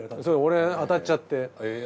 そう俺当たっちゃって。